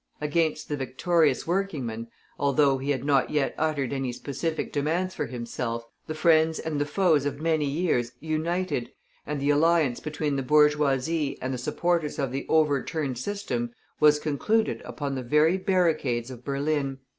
Against the victorious workingman, although he had not yet uttered any specific demands for himself, the friends and the foes of many years united, and the alliance between the bourgeoisie and the supporters of the over turned system was concluded upon the very barricades of Berlin.